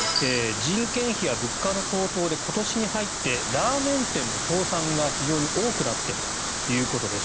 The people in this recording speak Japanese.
人件費や物価の高騰で今年に入ってラーメン屋の倒産が非常に多くなっているということです。